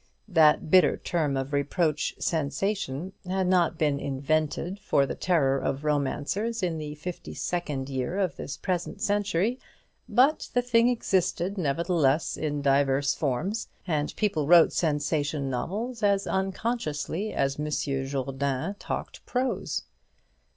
That bitter term of reproach, "sensation," had not been invented for the terror of romancers in the fifty second year of this present century; but the thing existed nevertheless in divers forms, and people wrote sensation novels as unconsciously as Monsieur Jourdain talked prose.